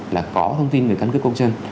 là có thông tin về căn cức công dân